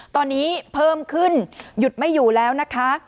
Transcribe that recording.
ตอนนี้เพิ่มขึ้นหยุดไม่อยู่แล้วนะคะ